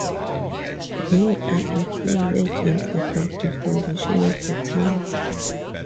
There are a few legends about the foundation of the town.